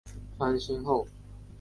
翻新后以白色及灰色为主调。